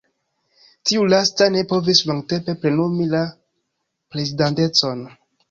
Tiu lasta ne povis longtempe plenumi la prezidantecon.